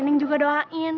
neng juga doain